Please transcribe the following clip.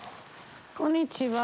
こんにちは。